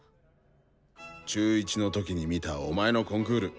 中１の時に見たお前のコンクール。